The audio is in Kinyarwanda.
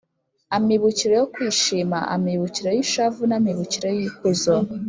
amibukiro yo kwishima, amibukiro y’ishavu n’amibukiro y’ikuzo,